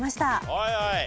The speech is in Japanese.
はいはい。